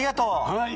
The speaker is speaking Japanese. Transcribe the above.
はい。